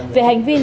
về hành vi lừa đảo